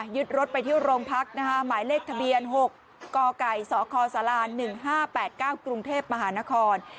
ยึดรถไปที่โรงพักนะคะหมายเลขทะเบียน๖กกสคศ๑๕๘๙กรุงเทพมหานคร